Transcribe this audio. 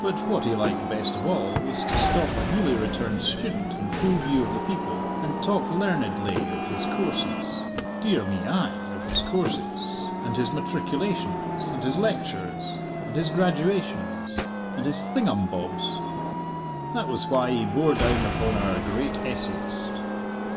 But what he liked best of all was to stop a newly returned student in full view of the people, and talk learnedly of his courses dear me, ay of his courses, and his matriculations, and his lectures, and his graduations, and his thingumbobs. That was why he bore down upon our great essayist.